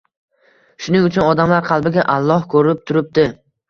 Shuning uchun odamlar qalbiga “Alloh ko‘rib turibdi.